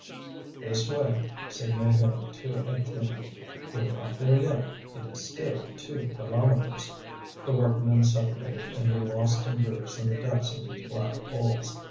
"This way," said Maheu to Étienne. "You're not there yet. It is still two kilometres." The workmen separated, and were lost in groups in the depths of these black holes.